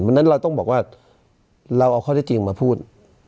วันนั้นเราต้องบอกว่าเราเอาสิ้นที่จริงมาพูด